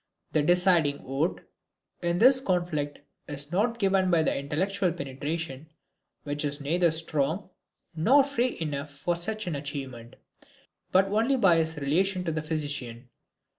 The deciding vote in this conflict is not given by his intellectual penetration which is neither strong nor free enough for such an achievement but only by his relation to the physician.